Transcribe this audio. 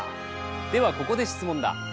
では、ここで質問だ。